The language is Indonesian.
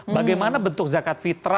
bagaimana bentuk zakat fitrah